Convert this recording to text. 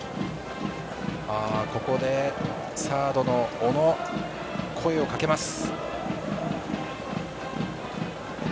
ここでサードの小野声をかけます。